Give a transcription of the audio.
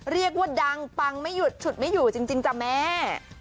เรียกว่าดังปังไม่หยุดฉุดไม่อยู่จริงจ้ะแม่